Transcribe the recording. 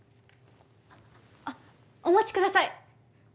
あっお待ちください。